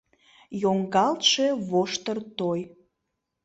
йоҥгалтше воштыр-той